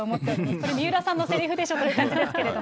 これ、水卜さんのせりふでしょという感じですけど。